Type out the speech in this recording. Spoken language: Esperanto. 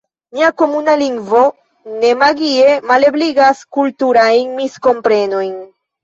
Nia komuna lingvo ne magie malebligas kulturajn miskomprenojn.